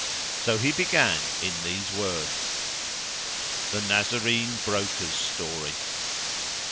So he began in these words The Nazarene Broker's Story.